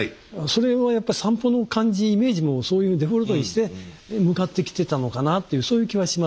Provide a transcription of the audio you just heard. それをやっぱ散歩の感じイメージもそういうデフォルトにして向かってきてたのかなというそういう気はしますね。